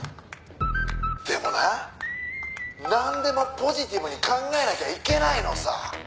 「でもななんでもポジティブに考えなきゃいけないのさ」